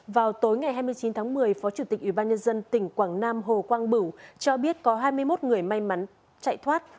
vào tối ngày hai mươi chín tháng một mươi phó chủ tịch ủy ban nhân dân tỉnh quảng nam hồ quang bửu cho biết có hai mươi một người may mắn chạy thoát